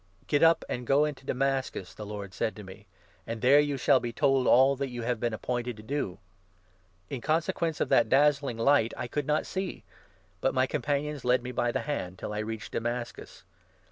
'Get up and go into Damascus,' the Lord said to me, 'and there you shall be told all that you have been appointed to do.' In consequence n of that dazzling light I could not see, but my companions led me by the hand, till I reached Damascus.